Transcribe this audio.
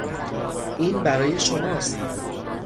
این برای شماست.